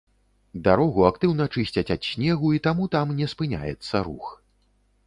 Дарогу актыўна чысцяць ад снегу і таму там не спыняецца рух.